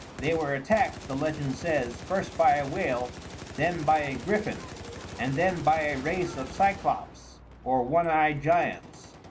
They were attacked, the legend says, first by a whale, then by a griffin, and then by a race of cyclops, or one eyed giants.